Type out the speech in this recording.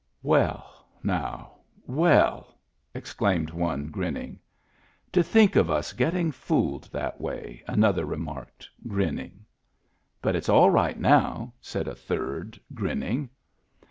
" Well, now, well !" exclaimed one, grinning. "To think of us getting fooled that way!" another remarked, grinning. " But it's all right now," said a third, grinning.